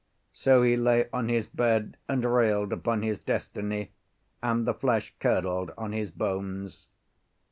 So he lay on his bed and railed upon his destiny; and the flesh curdled on his bones.